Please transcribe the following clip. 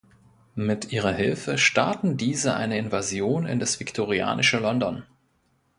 Mit ihrer Hilfe starten diese eine Invasion in das viktorianische London.